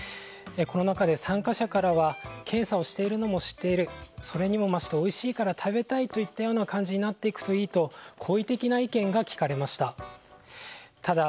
この中で参加者からは検査をしているのも知っているそれにもまして、おいしいから食べたいといったような感じになっていくといいと好意的な意見が聞かれました。